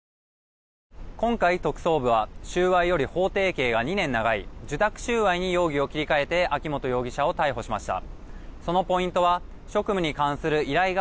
今回、特捜部は収賄より法定刑が２年長い受託収賄に容疑を切り替えて秋本容疑者を逮捕しました。